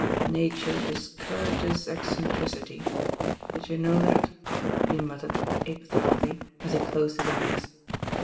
♦K .vfT^ discourages eccentricity, did you know that? he muttered apatheticaUy, as he closed his eyes.